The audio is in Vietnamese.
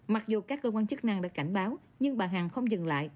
mặc dù các cơ quan chức năng đã cảnh báo nhưng bà hằng không dừng lại